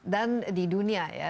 dan di dunia ya